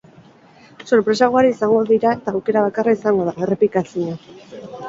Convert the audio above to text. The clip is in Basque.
Sorpresa ugari izango dira eta aukera bakarra izango da, errepikaezina.